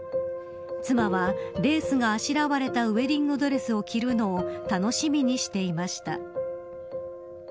妻はレースがあしらわれたウエディングドレスを着るのを楽しみにしていました。